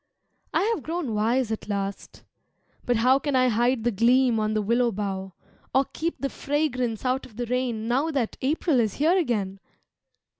I have grown wise at last but how Can I hide the gleam on the willow bough, Or keep the fragrance out of the rain Now that April is here again?